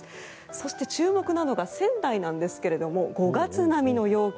そして、注目なのが仙台なんですけれども５月並みの陽気。